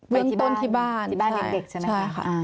ไปที่ต้นที่บ้านที่บ้านเด็กใช่ไหมคะ